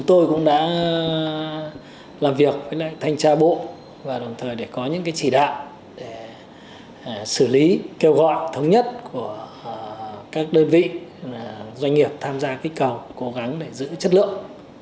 tôi cũng đã làm việc với thanh tra bộ và đồng thời để có những chỉ đạo để xử lý kêu gọi thống nhất của các đơn vị doanh nghiệp tham gia kích cầu cố gắng để giữ chất lượng